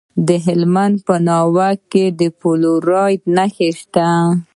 د هلمند په ناوې کې د فلورایټ نښې شته.